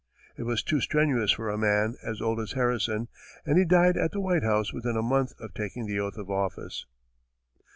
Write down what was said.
It was too strenuous for a man as old as Harrison, and he died at the White House within a month of taking the oath of office.